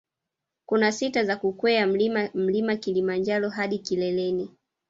Kuna sita za kukwea mlima mlima kilimanjaro hadi kileleni